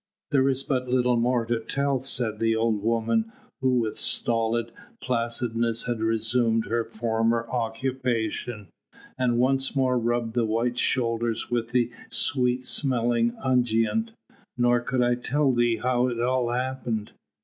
"There is but little more to tell," said the old woman, who with stolid placidness had resumed her former occupation, and once more rubbed the white shoulders with the sweet smelling unguent; "nor could I tell thee how it all happened.